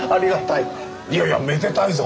いやいやめでたいぞ！